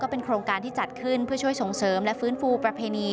เป็นโครงการที่จัดขึ้นเพื่อช่วยส่งเสริมและฟื้นฟูประเพณี